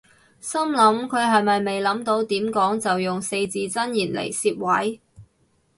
心諗佢係咪未諗到點講就用四字真言嚟攝位